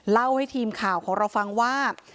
เล่าให้ทีมข่าวของเราฟังว่า